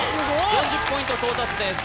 ４０ポイント到達です